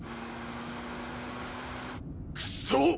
クソッ！！